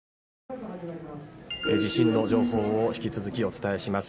地震の情報を引き続きお伝えします。